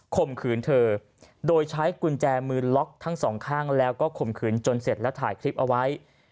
ข่มขืนเธอโดยใช้กุญแจมือล็อกทั้งสองข้างแล้วก็ข่มขืนจนเสร็จแล้วถ่ายคลิปเอาไว้